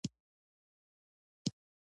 د وېښتیانو پرېښودنه پاملرنې ته اړتیا لري.